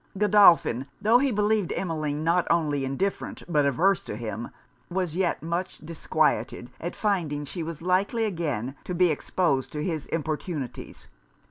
Godolphin, tho' he believed Emmeline not only indifferent but averse to him, was yet much disquieted at finding she was likely again to be exposed to his importunities.